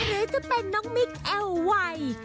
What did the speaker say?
มันเหนือจะเป็นน้องมิกแอลล์วัย